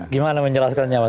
gimana menjelaskannya mas